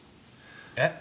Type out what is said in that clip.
えっ？